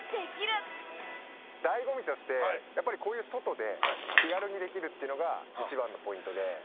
醍醐味としてやっぱりこういう外で気軽にできるっていうのが一番のポイントで。